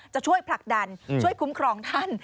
จะช่วยผลักดันช่วยคุ้มครองท่าน